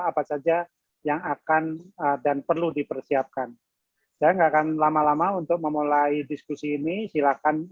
apa saja yang akan dan perlu dipersiapkan saya enggak akan lama lama untuk memulai diskusi ini silakan